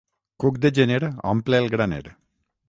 Cuc de gener omple el graner.